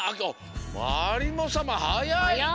まりもさまはやい！